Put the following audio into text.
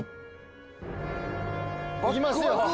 いきますよ。